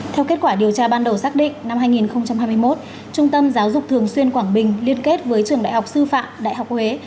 theo kết quả điều tra ban đầu xác định năm hai nghìn hai mươi một trung tâm giáo dục thường xuyên quảng bình liên kết với trường đại học sư phạm đại học huế